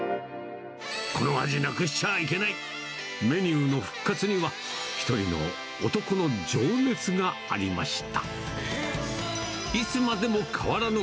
この味なくしちゃいけない、メニューの復活には一人の男の情熱がありました。